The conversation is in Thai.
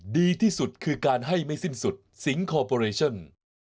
ดีที่สุดคือการให้ไม่สิ้นสุดสิงคอร์ปอเรชั่น